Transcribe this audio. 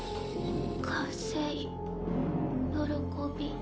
完成喜び。